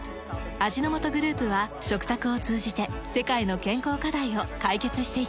味の素グループは食卓を通じて世界の健康課題を解決していきます。